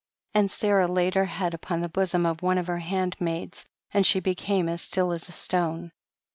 83. And Sarah laid her head upon the bosom of one of her handmaids, and she became as still as a stone.